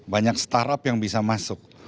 banyak startup yang bisa masuk